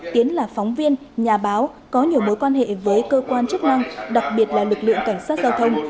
tiến là phóng viên nhà báo có nhiều mối quan hệ với cơ quan chức năng đặc biệt là lực lượng cảnh sát giao thông